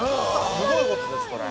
すごいことです、これ。